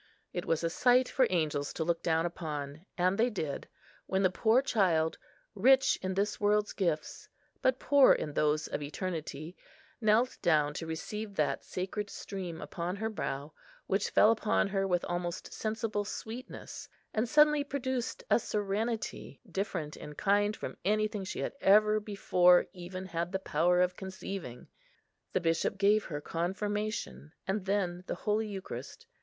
It was a sight for angels to look down upon, and they did; when the poor child, rich in this world's gifts, but poor in those of eternity, knelt down to receive that sacred stream upon her brow, which fell upon her with almost sensible sweetness, and suddenly produced a serenity different in kind from anything she had ever before even had the power of conceiving. The bishop gave her confirmation, and then the Holy Eucharist.